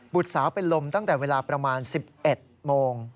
สาวเป็นลมตั้งแต่เวลาประมาณ๑๑โมง